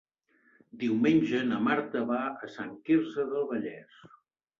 Diumenge na Marta va a Sant Quirze del Vallès.